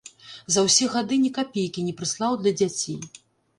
За ўсе гады ні капейкі не прыслаў для дзяцей.